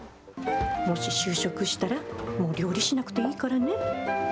もし就職したらもう料理しなくていいからね。